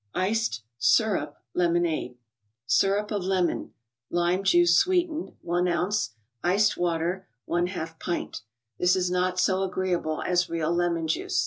3!cct> (^rntp) Lemonade. Syrup of lemon (lime juice sweetened), i oz.; Iced water, X pint. This is not so agreeable as real lemon juice.